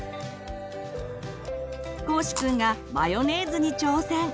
こうしくんがマヨネーズに挑戦！